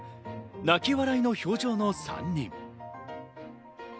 泣き笑いの表情の３人。